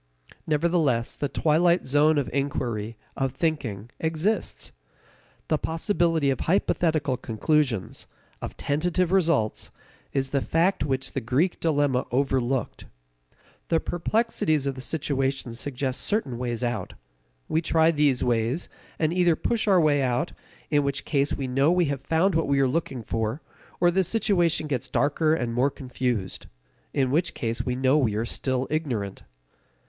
Nevertheless the twilight zone of inquiry, of thinking, exists. The possibility of hypothetical conclusions, of tentative results, is the fact which the Greek dilemma overlooked. The perplexities of the situation suggest certain ways out. We try these ways, and either push our way out, in which case we know we have found what we were looking for, or the situation gets darker and more confused in which case, we know we are still ignorant.